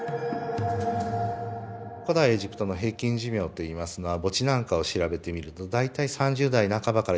古代エジプトの平均寿命といいますのは墓地なんかを調べてみると大体３０代半ばから４０代ぐらいなんですね。